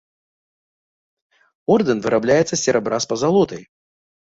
Ордэн вырабляецца з серабра з пазалотай.